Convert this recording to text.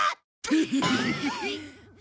フフフッ。